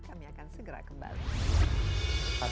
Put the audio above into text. kami akan segera kembali